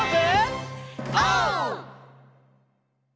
オー！